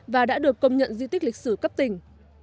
và đã được công nhận di tích lịch sử cấp tỉnh